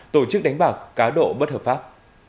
tổ chức đánh bạc cá độ bất hợp pháp